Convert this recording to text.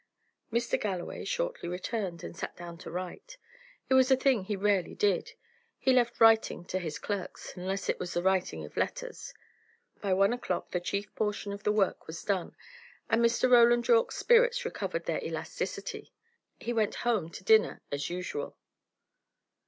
Mr. Galloway shortly returned, and sat down to write. It was a thing he rarely did; he left writing to his clerks, unless it was the writing of letters. By one o'clock the chief portion of the work was done, and Mr. Roland Yorke's spirits recovered their elasticity. He went home to dinner, as usual.